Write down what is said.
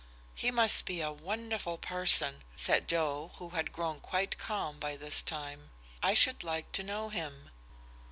"He must be a very wonderful person," said Joe, who had grown quite calm by this time. "I should like to know him."